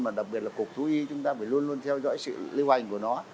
mà đặc biệt là cục thú y chúng ta phải luôn luôn theo dõi sự lưu hoành của nó